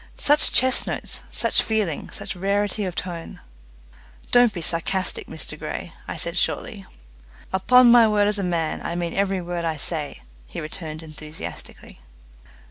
Such chest notes, such feeling, such rarity of tone!" "Don't be sarcastic, Mr Grey," I said shortly. "Upon my word as a man, I mean every word I say," he returned enthusiastically.